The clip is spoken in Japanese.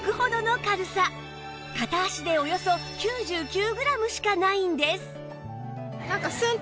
片足でおよそ９９グラムしかないんです